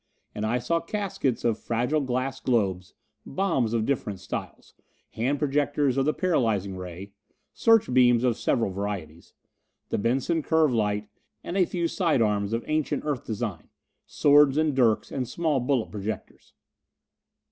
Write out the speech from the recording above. And I saw caskets of fragile glass globes, bombs of different styles; hand projectors of the paralyzing ray; search beams of several varieties; the Benson curve light, and a few side arms of ancient Earth design swords and dirks, and small bullet projectors.